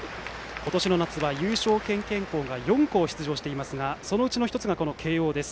今年の夏は優勝経験校が４校、出場していますがそのうちの１つが慶応です。